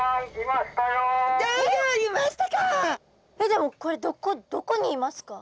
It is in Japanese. でもこれどこにいますか？